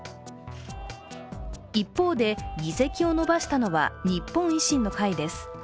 一方で議席を伸ばしたのは日本維新の会です。